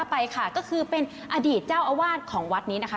ไปค่ะก็คือเป็นอดีตเจ้าอาวาสของวัดนี้นะคะ